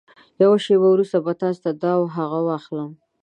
يوه شېبه وروسته به تاسې ته دا او هغه واخلم.